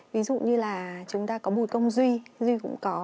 ví dụ như là chúng ta có một công duy